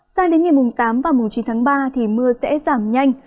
sang đến ngày tám và chín tháng ba mưa sẽ giảm nhanh